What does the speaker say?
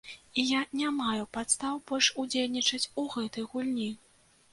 І я не маю падстаў больш удзельнічаць у гэтай гульні.